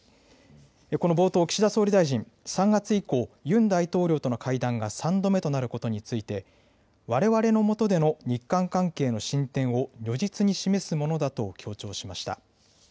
この冒頭、岸田総理大臣、３月以降、ユン大統領との会談が３度目となることについて、われわれの下での日韓関係の進展を如実に示すものだと強調しました。